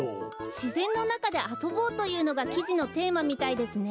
「しぜんのなかであそぼう」というのがきじのテーマみたいですね。